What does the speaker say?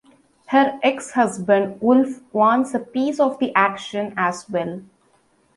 Her ex-husband Wolf wants a piece of the action as well.